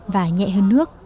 và nhẹ hơn nước